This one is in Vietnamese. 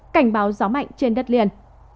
cảnh báo gió mạnh trên đất liền